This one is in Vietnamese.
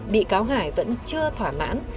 bị cáo hải vẫn chưa thỏa mãn